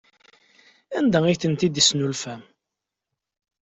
Anda ay ten-id-tesnulfam?